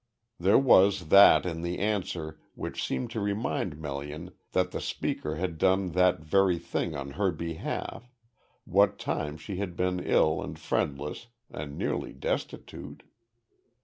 There was that in the answer which seemed to remind Melian that the speaker had done that very thing on her behalf, what time she had been ill, and friendless, and nearly destitute.